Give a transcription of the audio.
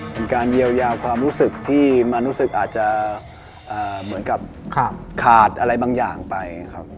เป็นการเยียวยาความรู้สึกที่มันรู้สึกอาจจะเหมือนกับขาดอะไรบางอย่างไปครับ